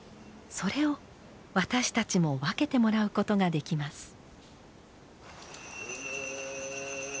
それを私たちも分けてもらうことができます。